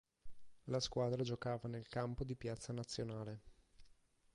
La squadra giocava nel campo di Piazza Nazionale.